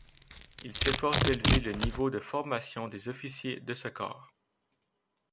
Il s'efforce d'élever le niveau de formation des officiers de ce corps.